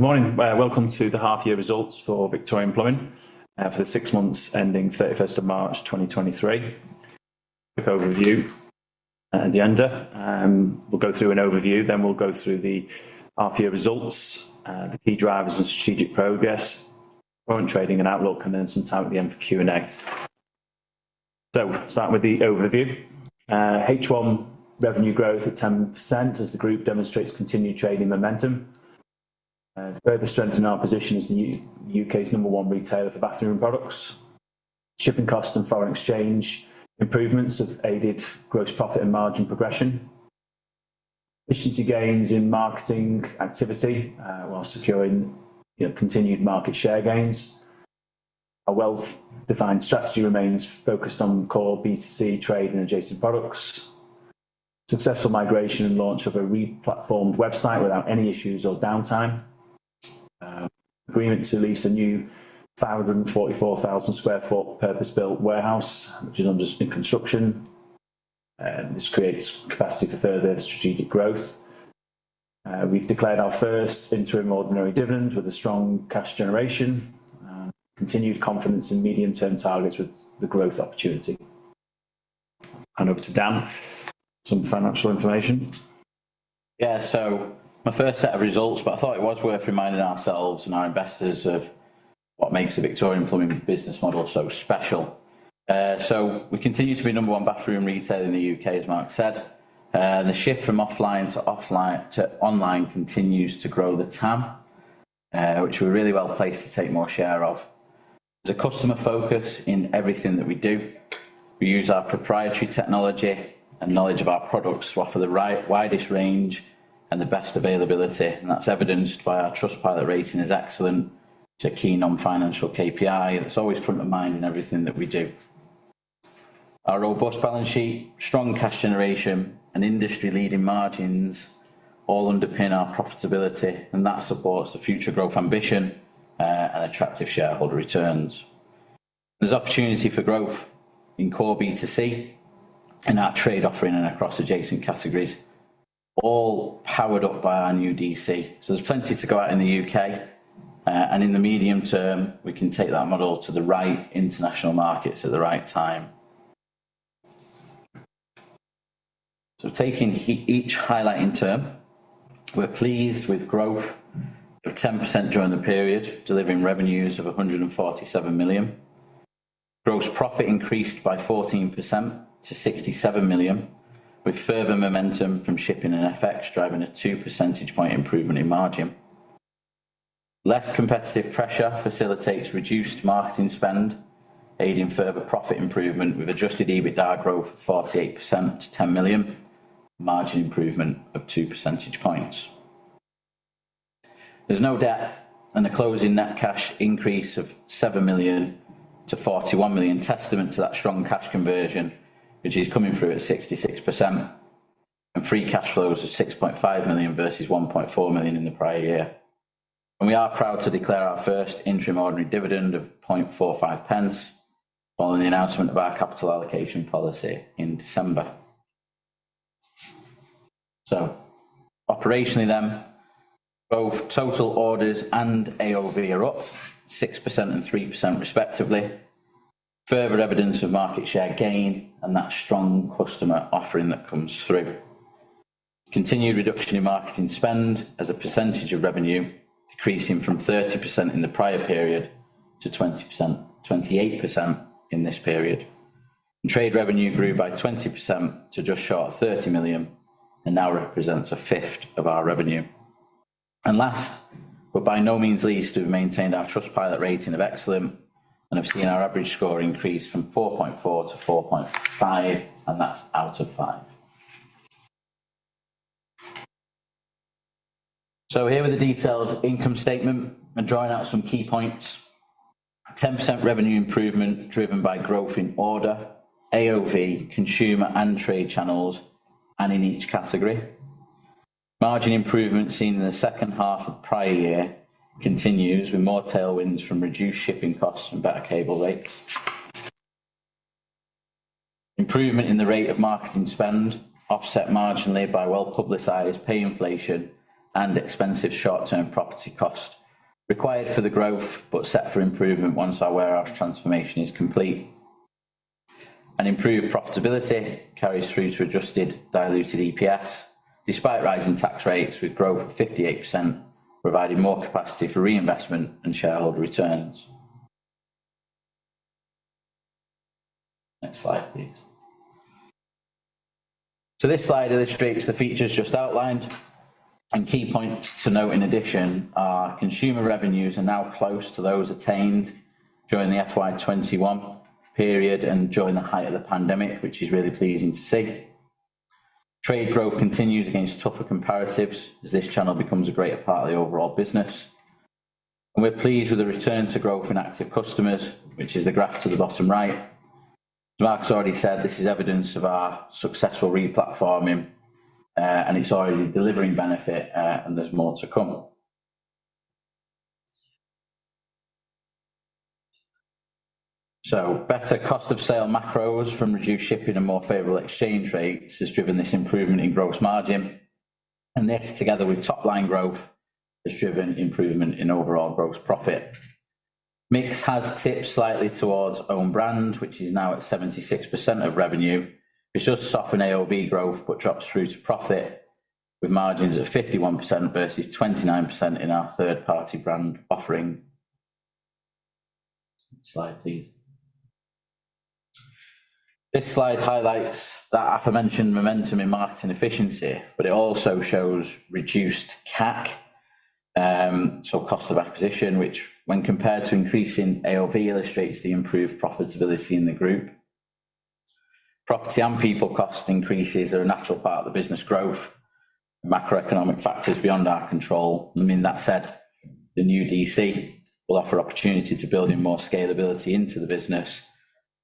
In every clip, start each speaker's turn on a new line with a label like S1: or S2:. S1: Morning. Welcome to the half-year results for Victorian Plumbing, for the six months ending 31st of March 2023. Quick overview, the agenda. We'll go through an overview, then we'll go through the half-year results, the key drivers and strategic progress, current trading and outlook, and then some time at the end for Q&A. Start with the overview. H1 revenue growth of 10% as the group demonstrates continued trading momentum. To further strengthen our position as the U.K.'s number one retailer for bathroom products. Shipping costs and foreign exchange improvements have aided gross profit and margin progression. Efficiency gains in marketing activity, while securing, you know, continued market share gains. Our well-defined strategy remains focused on core B2C trade and adjacent products. Successful migration and launch of a re-platformed website without any issues or downtime. Agreement to lease a new 544,000 sq ft purpose-built warehouse, which is under construction. This creates capacity for further strategic growth. We've declared our first interim ordinary dividend with a strong cash generation. Continued confidence in medium-term targets with the growth opportunity. Hand over to Dan for some financial information.
S2: My first set of results, but I thought it was worth reminding ourselves and our investors of what makes the Victorian Plumbing business model so special. We continue to be number one bathroom retailer in the U.K., as Mark said. The shift from offline to online continues to grow the TAM, which we're really well placed to take more share of. There's a customer focus in everything that we do. We use our proprietary technology and knowledge of our products to offer the widest range and the best availability, and that's evidenced by our Trustpilot rating as excellent. It's a key non-financial KPI, and it's always front of mind in everything that we do. Our robust balance sheet, strong cash generation, and industry-leading margins all underpin our profitability, and that supports the future growth ambition and attractive shareholder returns. There's opportunity for growth in core B2C in our trade offering and across adjacent categories, all powered up by our new DC. There's plenty to go at in the U.K. In the medium term, we can take that model to the right international markets at the right time. Taking each highlight in turn, we're pleased with growth of 10% during the period, delivering revenues of 147 million. Gross profit increased by 14% to 67 million, with further momentum from shipping and FX driving a 2 percentage point improvement in margin. Less competitive pressure facilitates reduced marketing spend, aiding further profit improvement with adjusted EBITDA growth of 48% to 10 million, margin improvement of 2 percentage points. There's no debt and a closing net cash increase of 7 million to 41 million, testament to that strong cash conversion, which is coming through at 66%. Free cash flows of 6.5 million versus 1.4 million in the prior year. We are proud to declare our first interim ordinary dividend of 0.45 pence following the announcement of our capital allocation policy in December. Operationally, then, both total orders and AOV are up 6% and 3%, respectively. Further evidence of market share gain and that strong customer offering that comes through. Continued reduction in marketing spend as a percentage of revenue, decreasing from 30% in the prior period to 28% in this period. Trade revenue grew by 20% to just short of 30 million and now represents a fifth of our revenue. Last, but by no means least, we've maintained our Trustpilot rating of Excellent and have seen our average score increase from 4.4 to 4.5, and that's out of 5. Here with the detailed income statement and drawing out some key points. A 10% revenue improvement driven by growth in order, AOV, consumer, and trade channels, and in each category. Margin improvement seen in the second half of prior year continues with more tailwinds from reduced shipping costs and better cable rates. Improvement in the rate of marketing spend offset marginally by well-publicized pay inflation and expensive short-term property cost required for the growth, but set for improvement once our warehouse transformation is complete. Improved profitability carries through to adjusted diluted EPS despite rising tax rates, with growth of 58% providing more capacity for reinvestment and shareholder returns. Next slide, please. This slide illustrates the features just outlined, and key points to note in addition are consumer revenues are now close to those attained during the FY 2021 period and during the height of the pandemic, which is really pleasing to see. Trade growth continues against tougher comparatives as this channel becomes a greater part of the overall business. We're pleased with the return to growth in active customers, which is the graph to the bottom right. As Mark's already said, this is evidence of our successful replatforming, and it's already delivering benefit, and there's more to come. Better cost of sale macros from reduced shipping and more favorable exchange rates has driven this improvement in gross margin. This together with top-line growth has driven improvement in overall gross profit. Mix has tipped slightly towards own brand, which is now at 76% of revenue. This should soften AOV growth but drops through to profit with margins at 51% versus 29% in our third-party brand offering. Next slide, please. This slide highlights that aforementioned momentum in marketing efficiency, but it also shows reduced CAC, so cost of acquisition, which when compared to increase in AOV illustrates the improved profitability in the group. Property and people cost increases are a natural part of the business growth and macroeconomic factors beyond our control. I mean, that said, the new DC will offer opportunity to build in more scalability into the business,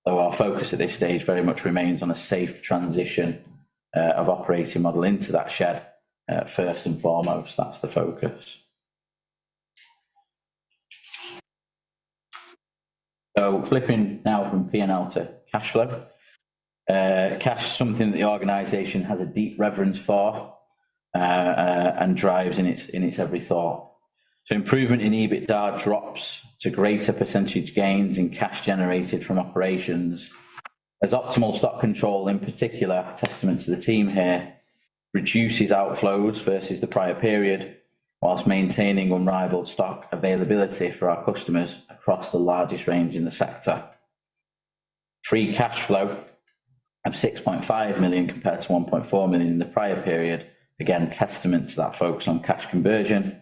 S2: though our focus at this stage very much remains on a safe transition of operating model into that shed. First and foremost, that's the focus. Flipping now from P&L to cash flow. Cash is something that the organization has a deep reverence for and drives in its every thought. Improvement in EBITDA drops to greater % gains in cash generated from operations as optimal stock control in particular, a testament to the team here, reduces outflows versus the prior period whilst maintaining unrivaled stock availability for our customers across the largest range in the sector. Free cash flow of 6.5 million compared to 1.4 million in the prior period, again testament to that focus on cash conversion.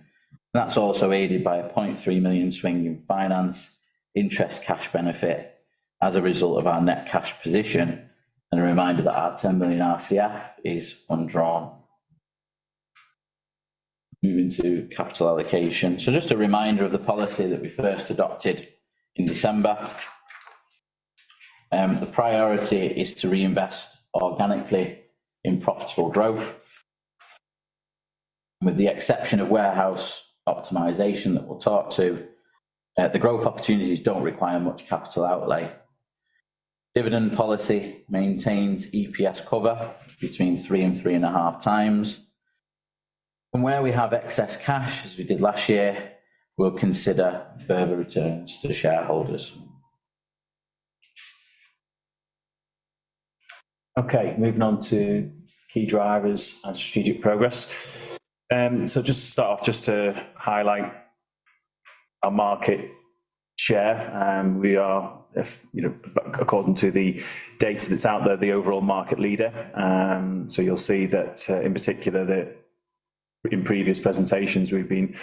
S2: That's also aided by a 0.3 million swing in finance interest cash benefit as a result of our net cash position and a reminder that our 10 million RCF is undrawn. Moving to capital allocation. Just a reminder of the policy that we first adopted in December. The priority is to reinvest organically in profitable growth. With the exception of warehouse optimization that we'll talk to, the growth opportunities don't require much capital outlay. Dividend policy maintains EPS cover between 3 times and 3.5 times. Where we have excess cash, as we did last year, we'll consider further returns to shareholders.
S1: Okay, moving on to key drivers and strategic progress. Just to start off, just to highlight our market share. We are if, you know, according to the data that's out there, the overall market leader. You'll see that, in particular that in previous presentations we've been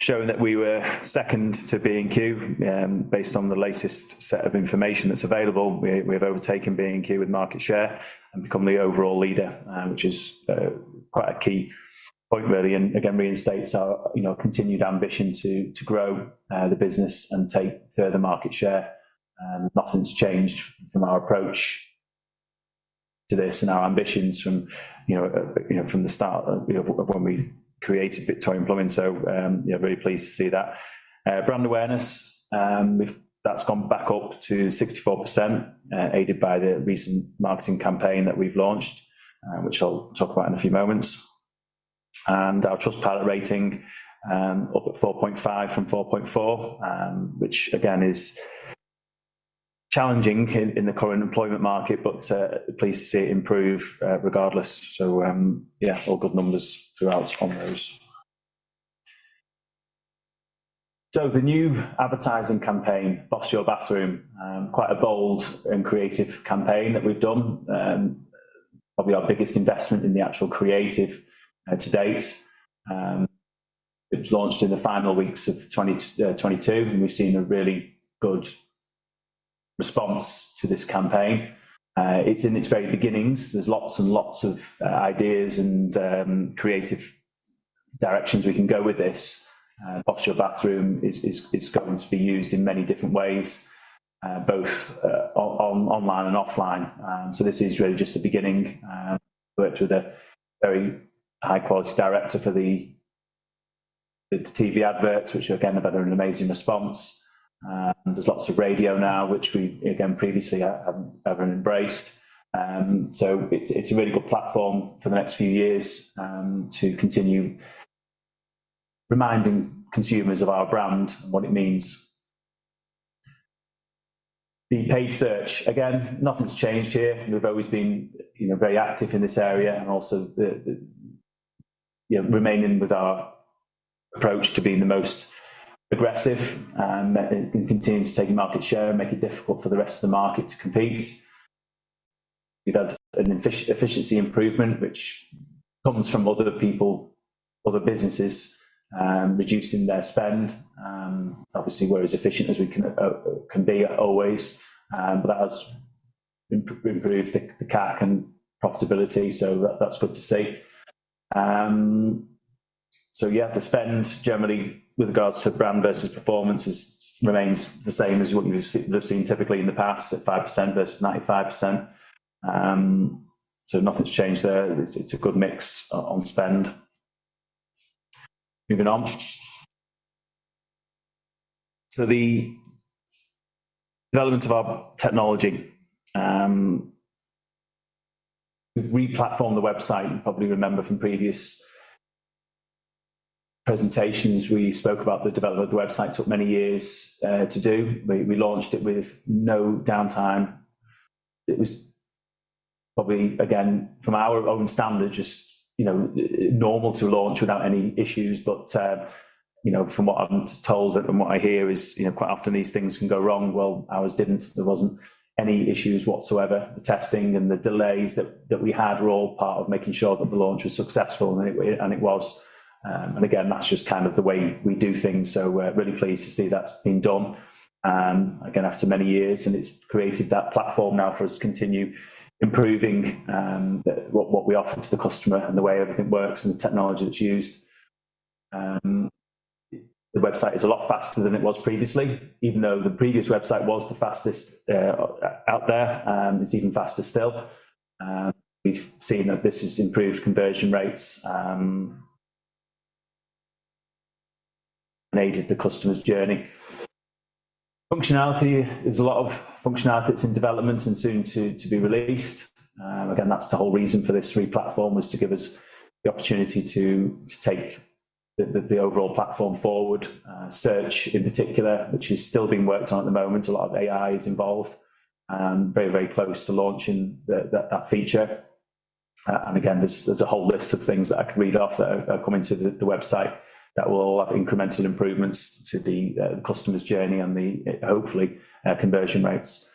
S1: showing that we were second to B&Q. Based on the latest set of information that's available, we have overtaken B&Q with market share and become the overall leader, which is quite a key point really, and again reinstates our, you know, continued ambition to grow the business and take further market share. Nothing's changed from our approach to this and our ambitions from, you know, from the start, you know, of when we created Victorian Plumbing. Very pleased to see that. Brand awareness, that's gone back up to 64%, aided by the recent marketing campaign that we've launched, which I'll talk about in a few moments. Our Trustpilot rating, up at 4.5 from 4.4, which again is challenging in the current employment market, but pleased to see it improve regardless. Yeah, all good numbers throughout from those. The new advertising campaign, Boss Your Bathroom, quite a bold and creative campaign that we've done. Probably our biggest investment in the actual creative to date. It was launched in the final weeks of 2022, and we've seen a really good response to this campaign. It's in its very beginnings. There's lots and lots of ideas and creative directions we can go with this. Boss Your Bathroom is going to be used in many different ways, both on-online and offline. This is really just the beginning. Worked with a very high quality director for the TV adverts, which again have had an amazing response. There's lots of radio now, which we again previously haven't embraced. It's a really good platform for the next few years to continue reminding consumers of our brand and what it means. The paid search, again, nothing's changed here. We've always been, you know, very active in this area and also, you know, remaining with our approach to being the most aggressive and continuing to take market share and make it difficult for the rest of the market to compete. We've had an efficiency improvement which comes from other people, other businesses, reducing their spend. Obviously we're as efficient as we can be always, but that has improved the CAC and profitability, so that's good to see. Yeah, the spend generally with regards to brand versus performance remains the same as what you've seen typically in the past at 5% versus 95%. Nothing's changed there. It's a good mix on spend. Moving on. The development of our technology. We've re-platformed the website. You probably remember from previous presentations we spoke about the development of the website. Took many years to do. We launched it with no downtime. It was probably, again, from our own standard, just, you know, normal to launch without any issues. You know, from what I'm told and what I hear is, you know, quite often these things can go wrong. Well, ours didn't. There wasn't any issues whatsoever. The testing and the delays that we had were all part of making sure that the launch was successful, and it was. Again, that's just kind of the way we do things, so we're really pleased to see that's been done, again after many years. It's created that platform now for us to continue improving what we offer to the customer and the way everything works and the technology that's used. The website is a lot faster than it was previously. Even though the previous website was the fastest out there, it's even faster still. We've seen that this has improved conversion rates and aided the customer's journey. Functionality, there's a lot of functionality that's in development and soon to be released. Again, that's the whole reason for this re-platform, was to give us the opportunity to take the overall platform forward. Search in particular, which is still being worked on at the moment. A lot of AI is involved. Very, very close to launching that feature. And again, there's a whole list of things that I could read off that are coming to the website that will have incremental improvements to the customer's journey and hopefully conversion rates.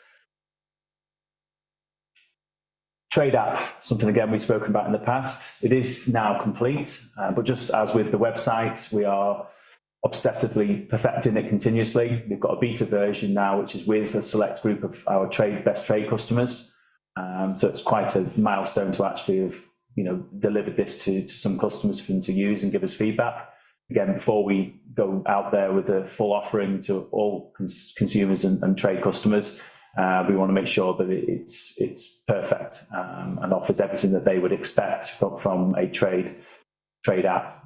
S1: Trade app, something again we've spoken about in the past. It is now complete. But just as with the website, we are obsessively perfecting it continuously. We've got a beta version now, which is with a select group of our best trade customers. It's quite a milestone to actually have, you know, delivered this to some customers for them to use and give us feedback. Again, before we go out there with a full offering to all consumers and trade customers, we wanna make sure that it's perfect and offers everything that they would expect from a trade app.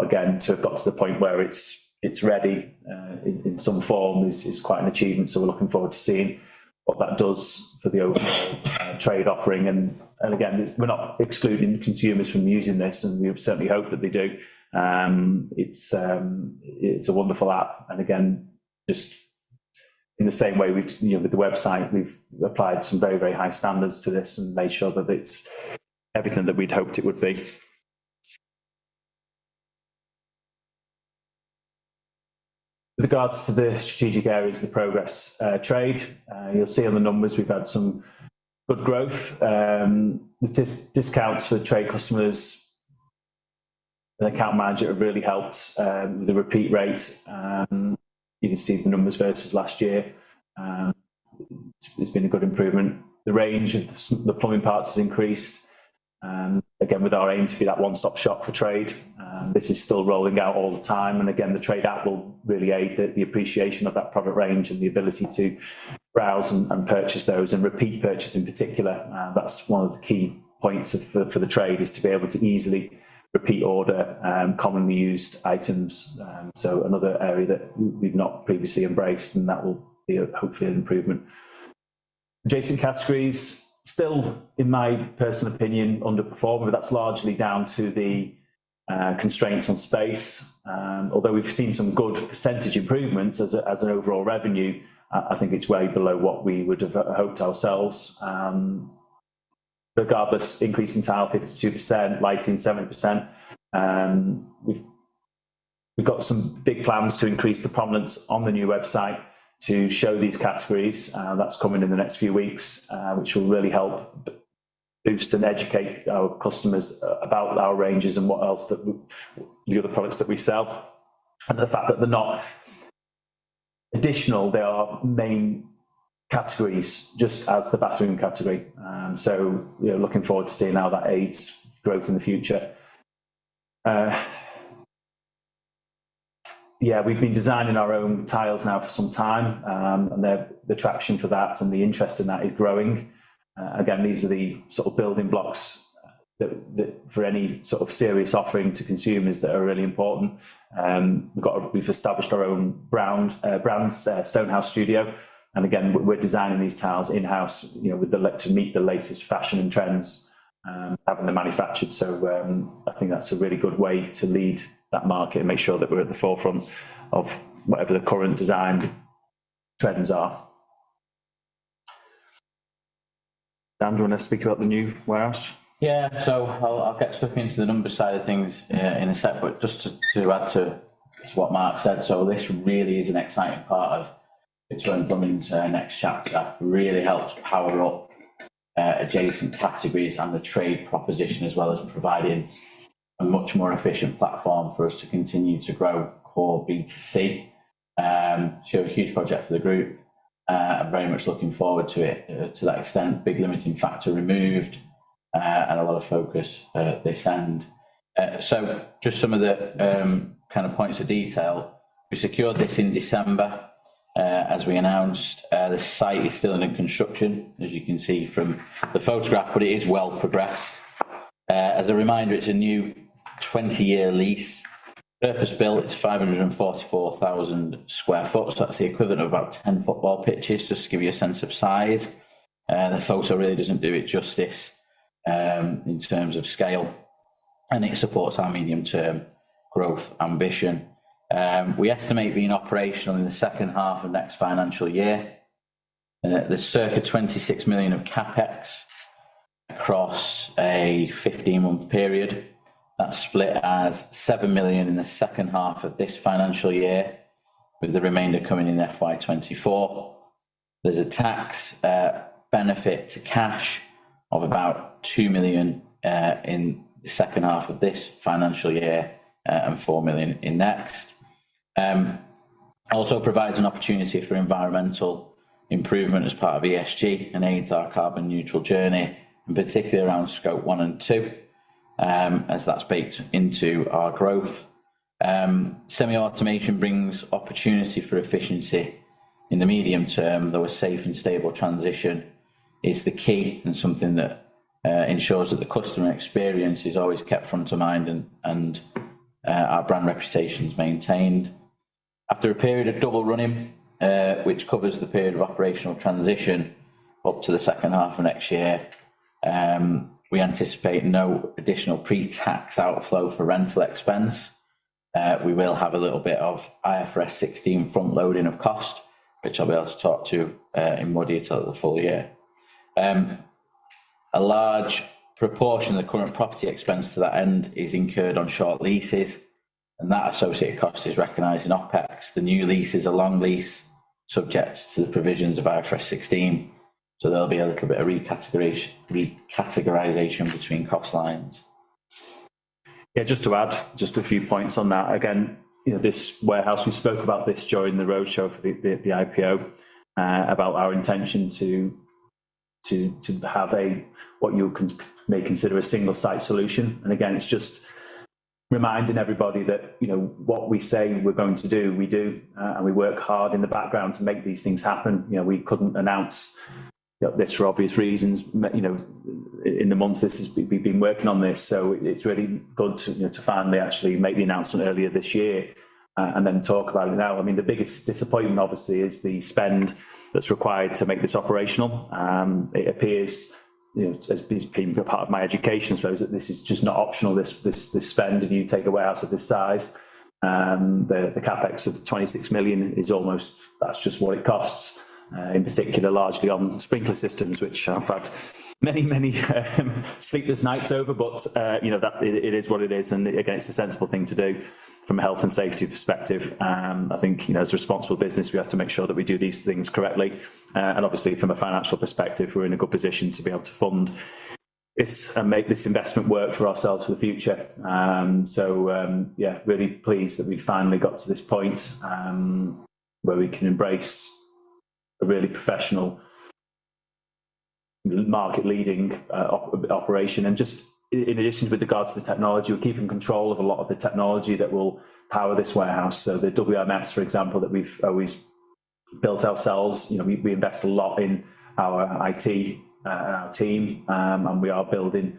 S1: Again, to have got to the point where it's ready in some form is quite an achievement, so we're looking forward to seeing what that does for the overall trade offering. Again, we're not excluding consumers from using this, and we certainly hope that they do. It's a wonderful app and again, just in the same way we've, you know, with the website, we've applied some very, very high standards to this and made sure that it's everything that we'd hoped it would be. With regards to the strategic areas of the progress, trade, you'll see on the numbers we've had some good growth. The discounts for trade customers and account manager have really helped, the repeat rate. You can see the numbers versus last year. It's been a good improvement. The range of the plumbing parts has increased. Again, with our aim to be that one-stop shop for trade. This is still rolling out all the time. Again, the trade app will really aid the appreciation of that product range and the ability to browse and purchase those, and repeat purchase in particular. That's one of the key points of, for the trade, is to be able to easily repeat order commonly used items. Another area that we've not previously embraced, and that will be hopefully an improvement. Adjacent categories, still in my personal opinion, underperforming. That's largely down to the constraints on space. Although we've seen some good percentage improvements as a, as an overall revenue, I think it's way below what we would have hoped ourselves. Regardless, increase in tile 52%, lighting 70%. We've got some big plans to increase the prominence on the new website to show these categories, that's coming in the next few weeks, which will really help boost and educate our customers about our ranges and what else that, the other products that we sell. The fact that they're not additional, they are main categories just as the bathroom category. We are looking forward to seeing how that aids growth in the future. Yeah, we've been designing our own tiles now for some time. The traction for that and the interest in that is growing. Again, these are the sort of building blocks that for any sort of serious offering to consumers that are really important. We've established our own brand, Stonehouse Studio. We're designing these tiles in-house, you know, to meet the latest fashion and trends, having them manufactured. I think that's a really good way to lead that market and make sure that we're at the forefront of whatever the current design trends are. Dan, do you wanna speak about the new warehouse?
S2: Yeah. I'll get stuck into the numbers side of things. Just to add to what Mark said. This really is an exciting part of Victorian Plumbing's next chapter. Really helps to power up adjacent categories and the trade proposition, as well as providing a much more efficient platform for us to continue to grow core B2C. A huge project for the group. I'm very much looking forward to it to that extent. Big limiting factor removed, and a lot of focus this end. Just some of the kind of points of detail. We secured this in December. As we announced, the site is still under construction, as you can see from the photograph, but it is well progressed. As a reminder, it's a new 20-year lease, purpose-built. It's 544,000 sq ft, that's the equivalent of about 10 football pitches, just to give you a sense of size. The photo really doesn't do it justice, in terms of scale, it supports our medium-term growth ambition. We estimate being operational in the second half of next financial year. There's circa 26 million of CapEx across a 15-month period. That's split as 7 million in the second half of this financial year, with the remainder coming in FY 2024. There's a tax benefit to cash of about 2 million in the second half of this financial year, 4 million in next. Also provides an opportunity for environmental improvement as part of ESG and aids our carbon-neutral journey and particularly around scope one and two, as that's baked into our growth. Semi-automation brings opportunity for efficiency in the medium term, though a safe and stable transition is the key and something that ensures that the customer experience is always kept front of mind and our brand reputation is maintained. After a period of double running, which covers the period of operational transition up to the second half of next year, we anticipate no additional pre-tax outflow for rental expense. We will have a little bit of IFRS 16 front loading of cost which I'll be able to talk to in more detail at the full year. A large proportion of the current property expense to that end is incurred on short leases and that associated cost is recognized in OpEx. The new lease is a long lease subject to the provisions of IFRS 16, so there'll be a little bit of recategorization between cost lines.
S1: Yeah. Just to add just a few points on that. Again, you know, this warehouse we spoke about this during the roadshow for the IPO, about our intention to have a what you may consider a single site solution, and again it's just reminding everybody that you know what we say we're going to do, we do, and we work hard in the background to make these things happen. You know, we couldn't announce this for obvious reasons, you know, in the months this has we've been working on this so it's really good to, you know to finally actually make the announcement earlier this year, and then talk about it now. I mean, the biggest disappointment obviously is the spend that's required to make this operational. It appears you know as being part of my education I suppose that this is just not optional this spend if you take a warehouse of this size. The CapEx of 26 million is almost that's just what it costs, in particular largely on sprinkler systems which I've had many sleepless nights over but, you know that it is what it is, and again it's the sensible thing to do from a health and safety perspective. I think you know as a responsible business we have to make sure that we do these things correctly, and obviously from a financial perspective we're in a good position to be able to fund this and make this investment work for ourselves for the future. Yeah, really pleased that we finally got to this point, where we can embrace a really professional market-leading operation. Just in addition, with regards to the technology, we're keeping control of a lot of the technology that will power this warehouse. The WMS, for example, that we've always built ourselves, you know, we invest a lot in our IT, our team, and we are building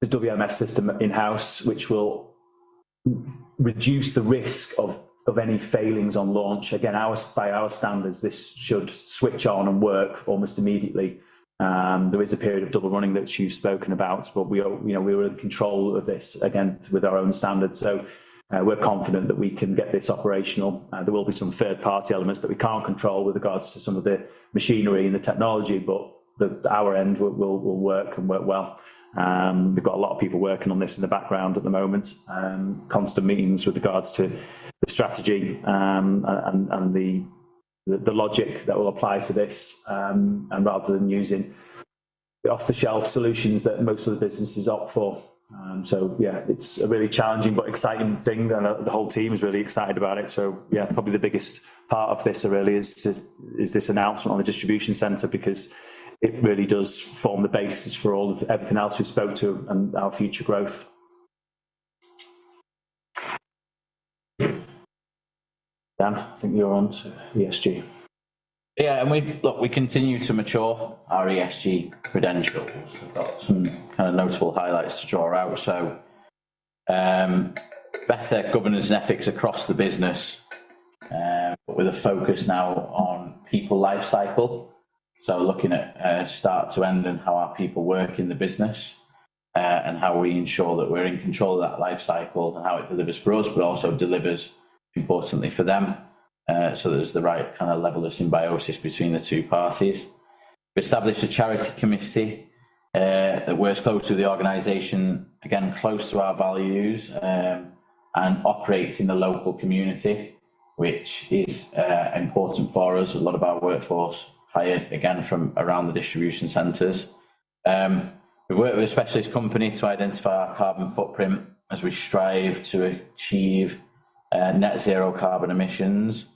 S1: the WMS system in-house, which will reduce the risk of any failings on launch. Again, by our standards, this should switch on and work almost immediately. There is a period of double running that you've spoken about, but we are, you know, we're in control of this again with our own standards, so we're confident that we can get this operational. There will be some third-party elements that we can't control with regards to some of the machinery and the technology, but the our end will work and work well. We've got a lot of people working on this in the background at the moment. Constant meetings with regards to the strategy, and the logic that will apply to this, and rather than using the off the shelf solutions that most of the businesses opt for. Yeah, it's a really challenging but exciting thing and the whole team is really excited about it. Yeah, probably the biggest part of this really is this announcement on the distribution center because it really does form the basis for all of everything else we spoke to and our future growth. Dan, I think you're on to ESG.
S2: We look we continue to mature our ESG credentials. We've got some kind of notable highlights to draw out so, better governance and ethics across the business, but with a focus now on people life cycle so looking at, start to end and how our people work in the business, and how we ensure that we're in control of that life cycle and how it delivers for us but also delivers importantly for them, so there's the right kind of level of symbiosis between the two parties. We established a charity committee, that works close to the organization again close to our values, and operates in the local community which is important for us. A lot of our workforce hired again from around the distribution centers. We worked with a specialist company to identify our carbon footprint as we strive to achieve net-zero carbon emissions.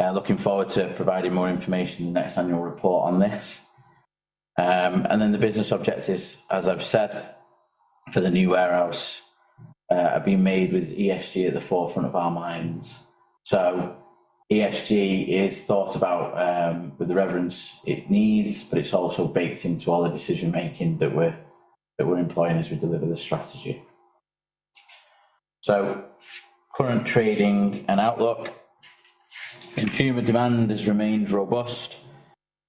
S2: Looking forward to providing more information in the next annual report on this. The business objectives, as I've said, for the new warehouse are being made with ESG at the forefront of our minds. ESG is thought about with the reverence it needs, but it's also baked into all the decision-making that we're employing as we deliver the strategy. Current trading and outlook. Consumer demand has remained robust.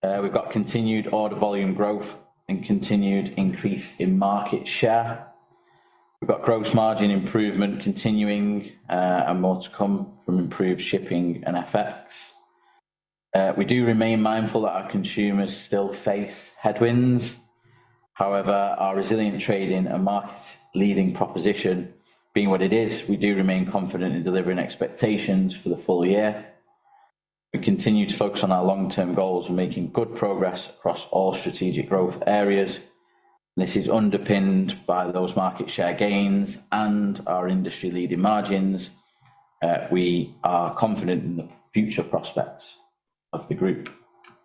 S2: We've got continued order volume growth and continued increase in market share. We've got gross margin improvement continuing and more to come from improved shipping and FX. We do remain mindful that our consumers still face headwinds. Our resilient trading and market-leading proposition being what it is, we do remain confident in delivering expectations for the full year. We continue to focus on our long term goals and making good progress across all strategic growth areas. This is underpinned by those market share gains and our industry-leading margins. We are confident in the future prospects of the Group.